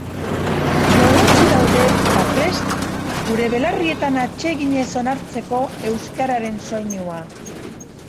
Gogotsu gaude, eta prest, gure belarrietan atseginez onartzeko euskararen soinua.